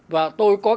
và tôi có